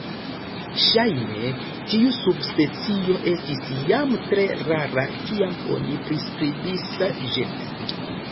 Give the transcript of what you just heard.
Ŝajne tiu subspecio estis jam tre rara kiam oni priskribis ĝin.